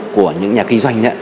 của những nhà kinh doanh